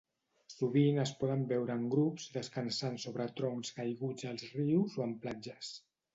Sovint es poden veure en grups descansant sobre troncs caiguts als rius o en platges.